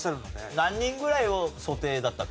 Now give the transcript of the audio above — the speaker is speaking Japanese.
何人ぐらいを想定だったっけ？